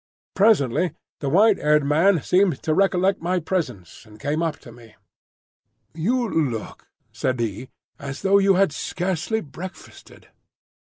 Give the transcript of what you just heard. Presently the white haired man seemed to recollect my presence, and came up to me. "You look," said he, "as though you had scarcely breakfasted."